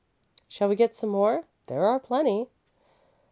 "Shall we get some more? There are plenty."